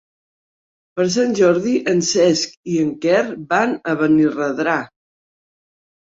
Per Sant Jordi en Cesc i en Quer van a Benirredrà.